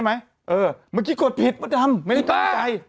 เมื่อกี้กดผิดร่ำไม่ตั้งใจ